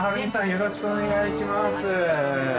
よろしくお願いします。